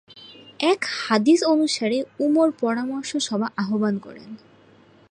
এক হাদিস অনুসারে উমর পরামর্শ সভা আহবান করেন।